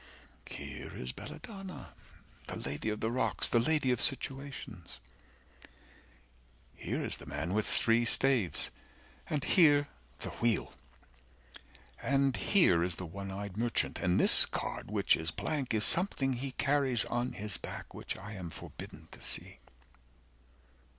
Here is Belladonna, the Lady of the Rocks, The lady of situations. 50 Here is the man with three staves, and here the Wheel, And here is the one eyed merchant, and this card, Which is blank, is something he carries on his back, Which I am forbidden to see.